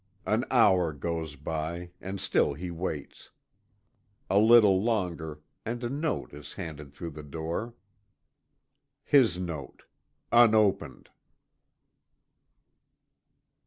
An hour goes by, and still he waits a little longer, and a note is handed through the door. His note unopened.